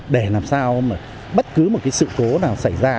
để làm sao mà bất cứ một cái sự cố nào xảy ra